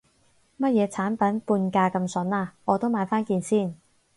乜嘢產品半價咁筍啊，我都買返件先